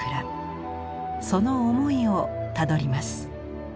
その思いをたどります。